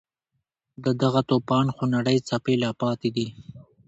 د دغه توپان خونړۍ څپې لا پاتې دي.